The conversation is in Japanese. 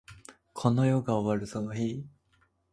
この世が終わるその日に